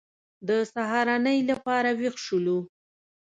د سهارنۍ لپاره وېښ شولو.